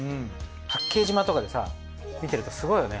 八景島とかでさ見てるとすごいよね。